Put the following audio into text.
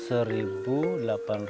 aturan kita berupa awik awik itu